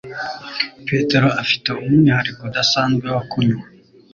Petero afite umwihariko udasanzwe wo kunywa